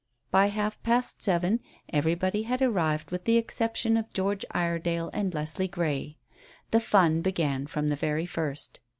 By half past seven everybody had arrived with the exception of George Iredale and Leslie Grey. The fun began from the very first.